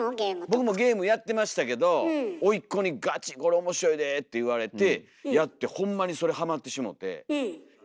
僕もゲームやってましたけど甥っ子にこれ面白いでって言われてやってほんまにそれハマってしもて。